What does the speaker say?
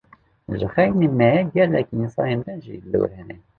Ji xeynî me gelek însanên din jî li wir hene.